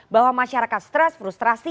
bahwa masyarakat stress frustrasi